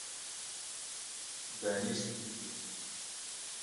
Benîşt biçû